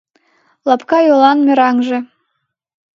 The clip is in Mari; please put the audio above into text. Лапка йолан мераҥже